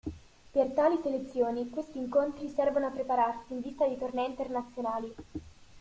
Per tali selezioni, questi incontri servono a prepararsi in vista di tornei internazionali.